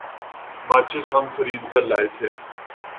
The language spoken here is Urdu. ماچس ہم خرید کر لائے تھے ۔